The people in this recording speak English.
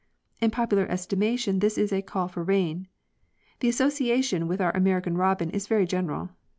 In popular estimation this is a "call for rain." This association with our American robin is very general.